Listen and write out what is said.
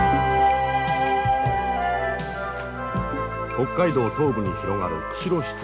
北海道東部に広がる釧路湿原。